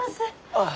ああ。